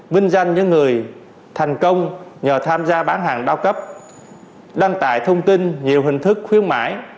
vinh danh những người thành công nhờ tham gia bán hàng đa cấp đăng tải thông tin nhiều hình thức khuyến mãi